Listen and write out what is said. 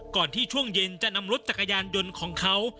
ก่อนที่ช่วงเย็นจะนำรถจักรยานยนต์ของเขา